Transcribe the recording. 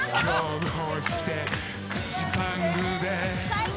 ・最高！